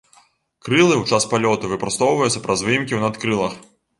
Крылы ў час палёту выпростваюцца праз выемкі ў надкрылах.